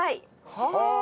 はあ。